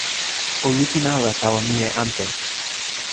o lukin ala tawa mije ante.